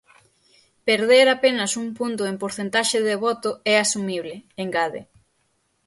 "Perder apenas un punto en porcentaxe de voto é asumible", engade.